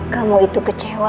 kamu itu kecewa